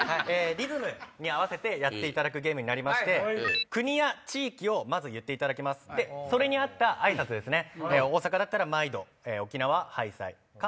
リズムに合わせてやっていただくゲームになりまして国や地域を言っていただきますでそれに合った挨拶ですね。